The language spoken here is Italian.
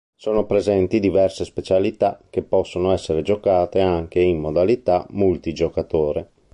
Sono presenti diverse specialità che possono essere giocate anche in modalità multigiocatore.